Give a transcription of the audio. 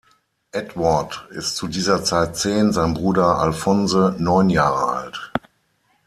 Edward ist zu dieser Zeit zehn, sein Bruder Alphonse neun Jahre alt.